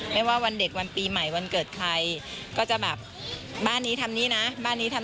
มันยากัดโอกาสก็กลับมาเหมือนเดิม